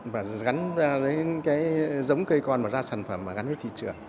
và gắn ra cái giống cây con và ra sản phẩm và gắn với thị trường